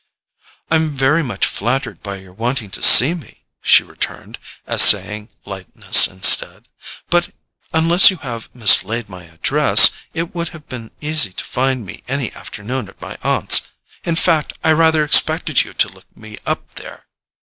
"I'm very much flattered by your wanting to see me," she returned, essaying lightness instead, "but, unless you have mislaid my address, it would have been easy to find me any afternoon at my aunt's—in fact, I rather expected you to look me up there."